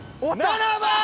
７番！